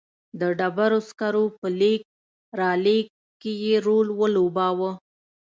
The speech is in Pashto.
د ډبرو سکرو په لېږد رالېږد کې یې رول ولوباوه.